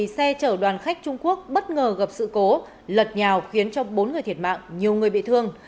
xe chở đoàn khách trung quốc bất ngờ gặp sự cố lật nhào khiến cho bốn người thiệt mạng nhiều người bị thương